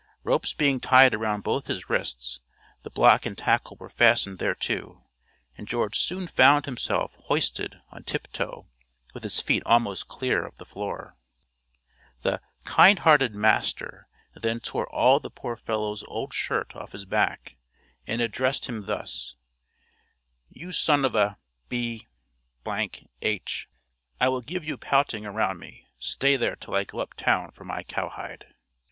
Ropes being tied around both his wrists, the block and tackle were fastened thereto, and George soon found himself hoisted on tip toe with his feet almost clear of the floor. The "kind hearted master" then tore all the poor fellow's old shirt off his back, and addressed him thus: "You son of a b h, I will give you pouting around me; stay there till I go up town for my cowhide."